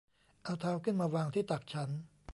เอาเท้าขึ้นมาวางที่ตักฉัน